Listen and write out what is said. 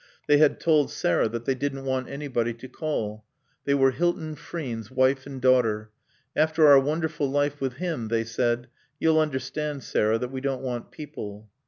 They had told Sarah that they didn't want anybody to call. They were Hilton Frean's wife and daughter. "After our wonderful life with him," they said, "you'll understand, Sarah, that we don't want people."